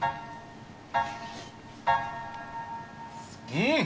うん！